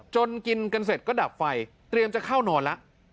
กินกันเสร็จก็ดับไฟเตรียมจะเข้านอนแล้ว